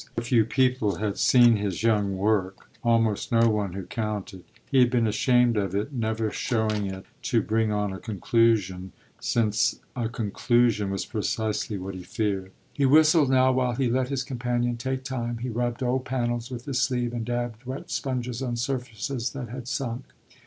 So few people had seen his young work almost no one who really counted. He had been ashamed of it, never showing it to bring on a conclusion, since a conclusion was precisely what he feared. He whistled now while he let his companion take time. He rubbed old panels with his sleeve and dabbed wet sponges on surfaces that had sunk.